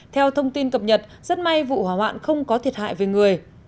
theo thông tin cập nhật rất may vụ hỏa hoạn không có thiệt hại về người